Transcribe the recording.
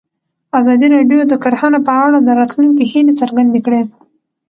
ازادي راډیو د کرهنه په اړه د راتلونکي هیلې څرګندې کړې.